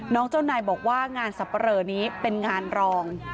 เจ้านายบอกว่างานสับปะเรอนี้เป็นงานรอง